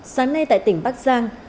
sáng nay tại tỉnh bắc giang